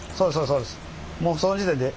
そうですそうです。